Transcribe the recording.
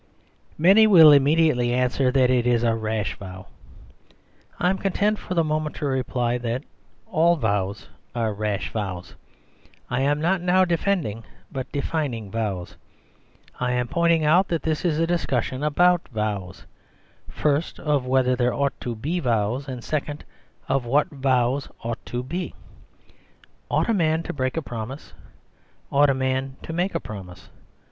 Many will immediately answer that it is a rash vow. I am content for the moment to reply that all vows are rash vows. I am not now defending but defining vows ; I am point 20 The Superstition of Divorce ing out that this is a discussion about vows ; first, of whether there ought to be vows ; and second, of what vows ought to be. Ought a man to break a promise? Ought a man to make a promise?